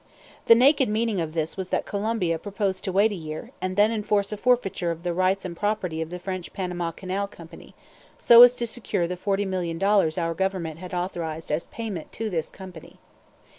The naked meaning of this was that Colombia proposed to wait a year, and then enforce a forfeiture of the rights and property of the French Panama Company, so as to secure the forty million dollars our Government had authorized as payment to this company.